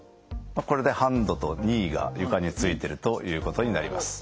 これでハンドとニーが床に着いているということになります。